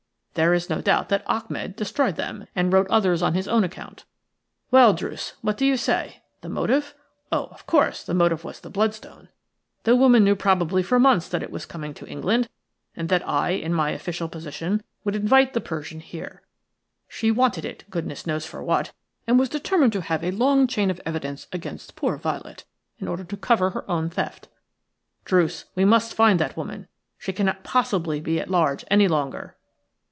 There is no doubt that Achmed destroyed them and wrote others on his own account. "Well, Druce, what do you say? The motive? Oh, of course, the motive was the bloodstone. The woman knew probably for months that it was coming to England, and that I, in my official position, would invite the Persian here. She wanted it, goodness knows for what, and was determined to have a long chain of evidence against poor Violet in order to cover her own theft. Druce, we must find that woman. She cannot possibly be at large any longer."